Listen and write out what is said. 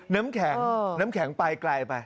น้ำแข็งน้ำแข็งไปไกลไป